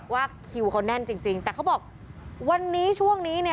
ว่าคิวเขาแน่นจริงแต่เขาบอกวันนี้ช่วงนี้เนี่ย